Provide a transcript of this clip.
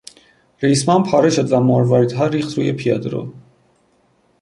ریسمان پاره شد و مرواریدها ریخت روی پیادهرو.